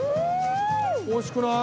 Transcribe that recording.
おいしくない？